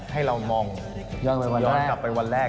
ให้เรามองย้อนกลับไปวันแรก